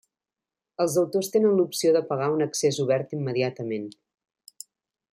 Els autors tenen l'opció de pagar un accés obert immediatament.